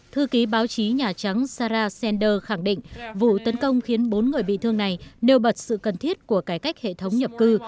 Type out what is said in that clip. thư ký báo chí nhà trắng sarah sanders khẳng định vụ tấn công khiến bốn người bị thương này nêu bật sự cần thiết của cải cách hệ thống nhập cư